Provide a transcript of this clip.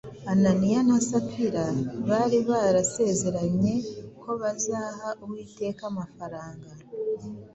Ananiya na Safira bari barasezeranye ko bazaha Uwiteka amafaranga